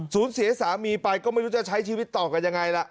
เสียสามีไปก็ไม่รู้จะใช้ชีวิตต่อกันยังไงล่ะ